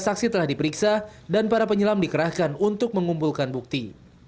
saksi telah diperiksa dan para penyelam dikerahkan untuk mengumpulkan bukti